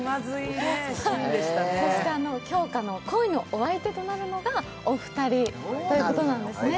杏花の恋のお相手となるのがお二人ということなんですね。